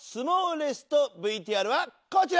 レストＶＴＲはこちら！